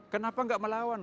kenapa tidak melawan